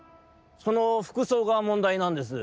「その服装がもんだいなんです」。